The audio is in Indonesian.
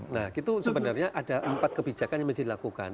nah itu sebenarnya ada empat kebijakan yang mesti dilakukan